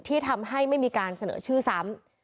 ที่ทำให้ไม่มีการเสนอชื่อซ้ำ